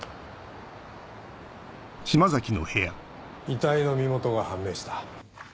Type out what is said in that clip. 遺体の身元が判明した。